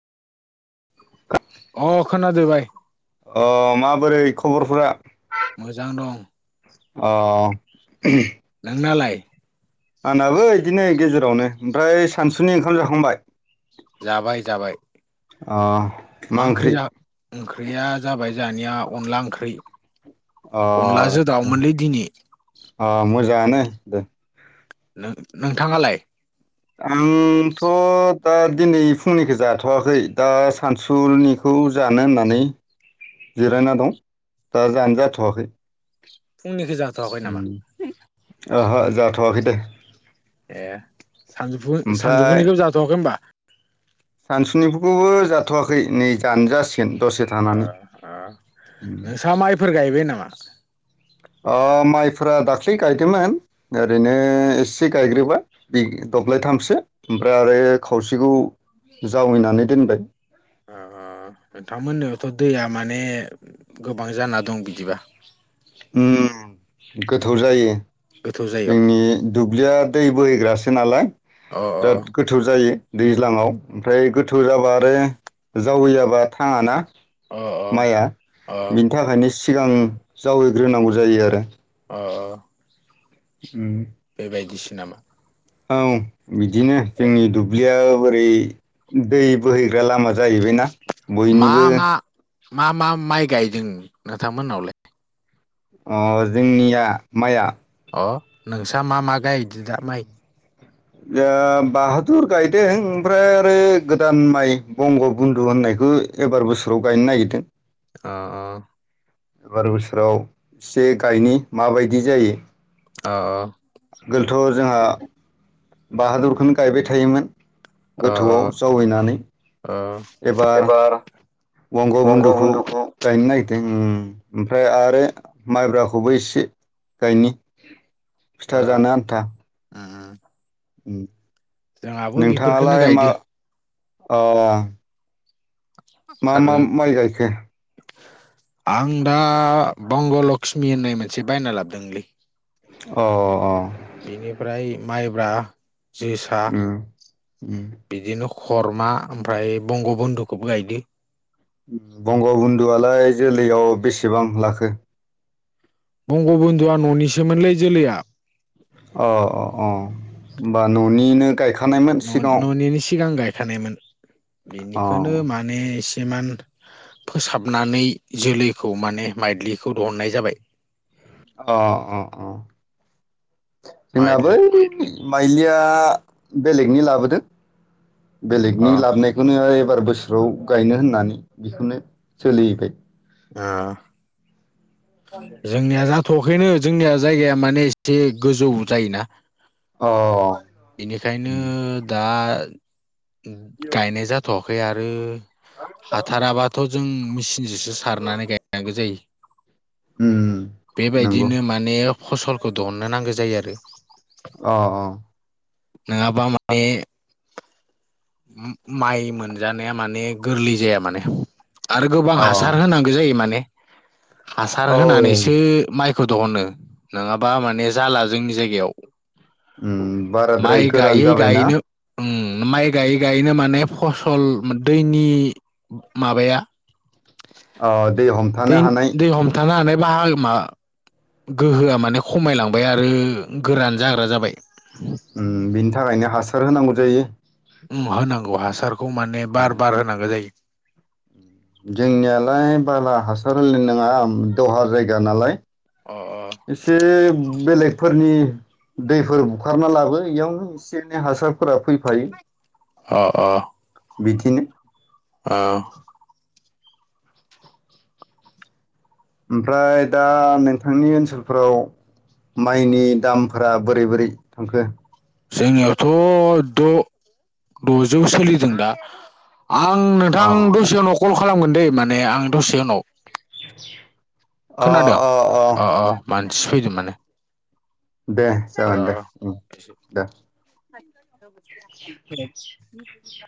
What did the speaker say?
अ खोनादो बाय अ माबोरै खबरफोरा मोजां दं अ नोंनालाय आंनाबो इदिनो गेजेरावनो ओमफ्राय सानसुनि ओंखाम जाखांबाय जाबाय जाबाय मा ओंख्रि ओंख्रिया जाबाय जानिया अनला ओंख्रि अ अनलाजो दाउमोनलै दिनि अ मोजाङानो दे नोंथाङालाय आंथ' दा दिनै फुंनिखौ जाथ'वाखै दा सानसुनिखौ जानो होननानै । जिरायना दं दा जानो जाथ'वाखै फुंनिखौ जाथ'वाखै नामा? उम ओहो जाथ'वाखै दे ए सानजौफु सानजौफुनिखौ जाथ'वाखै होमबा । सानसुनिफुखौबो जाथ'वाखै नै जानो जासि ओ नोंसा माइफोर गायबाय नामा? ओ माइफोरा दाख्लै गायदोंमोन ओरैनो एसे गायग्रोबाय बि दब्लायथामसो ओमफ्राय आरो खावसेखौ जावैनानै दोनबाय । ओ‌ ओंथांमोननाथ दैया माने गोबां जाना दं बिदिबा उम गोथौ जायो गोथौ जायगायाव जोंनि दुब्लिया दै बोहैग्रासो नालाय अ अ बिराद गोथौ जायो दैज्लाङाव ओमफ्राय गोथौ जाबा आरो जावैयाबा थाङाना अ अ । माइया अ बिनि थाखायनो सिगां जावैग्रोनांगौ जायो आरो अ अ उम बेबायदिसो नामा? औ बिदिनो जोंनि दुब्लियाव बोरै दै बोहैग्रा लामा जाहैबायना । बयनिबो मा मा मा मा माइ गायदों नोंथांमोननावलाय? ओ‌ जोंनिया माइआ अ नोंस्रा मा मा गायदो दा माइ? दा बाहादुर गायदों ओमफ्राय आरो गोदान माइ बंग बन्दु होननायखौ एबार बोसोराव गायनो नागिरदों । अ अ एबार बोसोराव एसे गायनि माबायदि जायो । अ अ गोलथ' जोंहा बाहादुरखौनो गायबाय थायोमोन । अ गोथौआव जावैनानै अ एबार बंग बन्दुखौ गायनो नागिरदों । ओमफ्राय आरो माइब्राखौबो एसे गायनि ओ फिथा जानो आन्था उम उम जोंहाबो बेफोरखोनो नोंथाङालाय मा गायदो अ मा आरो मा माइ गायखो आं दा बंग' लक्ष्मि होननाय मोनसे बायना लाबोदोंलै अ अ बेनिफ्राय माइब्रा जोसा उम उम बिदिनो खरमा ओमफ्राय बंग बन्धुखौबो गायदो बंगबन्धुआलाय जोलैयाव बेसेबां लाखो बंग बधुआ न'निसोमोनलै जोलैया अ अ अ होमबा न'निनो गाय न न'निनो‌ सिगां गाय खानायमोन बिनिखोनो अ माने जेमान फोसाबनानै जोलैखौ माने माइलिखौ दहुननाय जाबाय अ अ अ जोंना बै माइदलि माइलिया बेलेगनि लाबोदो अ बेलेगनि लाबनायखौनो ओइ एबार बोसोराव गायनो होननानै बेखौनो सोलिहोबाय अ जोंनिया जा थआखैनो जोंनिया जायगाया माने एसे गोजौ जायोना अ बेनिखायनो दा [unintelligible] गायनाय जाथ'आ खै आरो हाथाराबाथ' जों मेचिनजोंसो सारनानै गायनांगौ जायो उम नंगौ बेबायदिनो माने फसलखौ दहुननो नांगौ जायो आरो अ अ नङाबा माने माइ मोनजानाया माने गोरलै जाया माने आरो गोबां अ हासार होनांगौ जायो माने हासार औ होनानैसो माइ बे खौ दहनो नङाबा माने जाला जोंनि जायगायाव उम बाराद्राय माइ गोरान गायै जाबायना गायैनो उम माइ गायै गायैनो माने फसल दैनि माबाया अ दै दै हमथानो हानाय दै हमथानो हानाय बाहागो मा गोहोआ माने खमायलांबाय आरो गोरान जाग्रा जाबाय होम बिनि थाखायनो हासार होनांगौ जायो उम होनांगौ हासार खौ माने औ बार बार होनांगौ जायो जोंनियालाय बाला हासार होनायनो नङा दहार जायगा नालाय अ एसे बेलेगफोरनि दैफोर बुखारना लाबो इयावनो एसे एनै हासारफोरा फैफायो अ अ बिदिनो औ ओमफ्राय दा नोंथांनि ओनसोलफोराव माइनि दामफोरा बोरै बोरै थांखो जोंनियावथ' द' द'जौ सोलिदों दा आं अ नोंथां दसे उनाव कल खालामगोन दै माने आं दसे उनाव खोनादों अ अ माने सि फैदों माने दे जागोन र' उम एसे दे [unintelligible] [unintelligible]